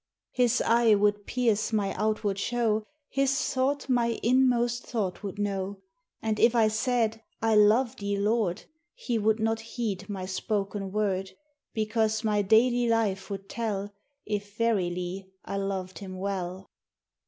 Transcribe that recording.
His eye would pierce my outward show, His thought my inmost thought would know; And if I said, "I love thee, Lord," He would not heed my spoken word, Because my daily life would tell If verily I loved him well.